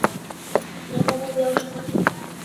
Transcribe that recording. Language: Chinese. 主要目标是